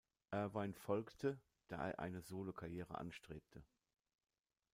Irvine folgte, da er eine Solokarriere anstrebte.